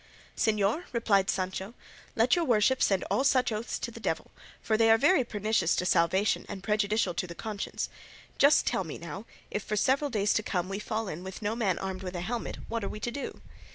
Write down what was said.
"Señor," replied Sancho, "let your worship send all such oaths to the devil, for they are very pernicious to salvation and prejudicial to the conscience; just tell me now, if for several days to come we fall in with no man armed with a helmet, what are we to do?